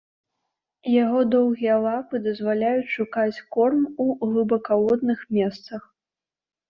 Яго доўгія лапы дазваляюць шукаць корм у глыбакаводных месцах.